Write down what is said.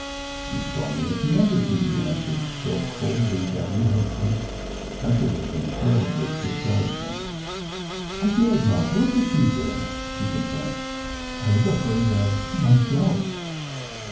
"You saw me at the Embassy," he answered, so coldly that, in her place, I should have beeen chilled with dis couragement. "I dared not look at you there," she confessed. "I was afraid of myself.